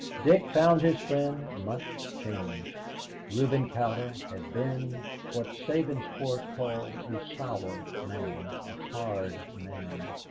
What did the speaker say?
Dick found his friend much changed. Reuben Cowder had been what Sabinsport called a "sour" man, a "hard" man.